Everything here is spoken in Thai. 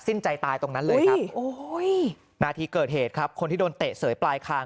สิ้นใจตายตรงนั้นเลยครับนาทีเกิดเหตุครับคนที่โดนเตะเสยปลายคาง